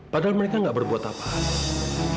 padahal mereka gak berbuat apa apa